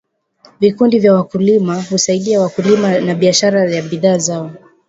vikundi vya wakulima husaidia wakulima na biashara ya bidhaa zao